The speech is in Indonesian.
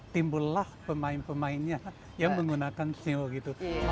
timbullah pemain pemainnya yang menggunakan shi shen